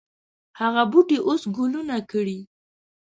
هغه بوټی اوس ګلونه کړي